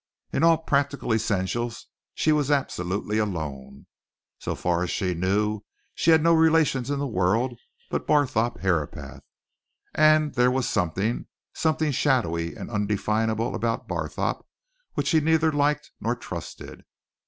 In all practical essentials she was absolutely alone. So far as she knew she had no relations in the world but Barthorpe Herapath and there was something something shadowy and undefinable about Barthorpe which she neither liked nor trusted.